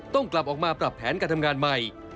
ต้องกลับออกมาปรับแผนการทำงานใหม่